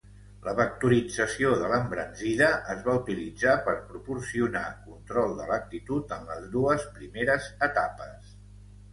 La vectorització de l'embranzida es va utilitzar per proporcionar control de l'actitud en les dues primeres etapes.